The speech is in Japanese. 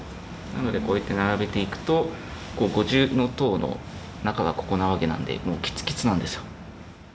なのでこうやって並べていくと五重塔の中はここなわけなんでもうキツキツなんですよ。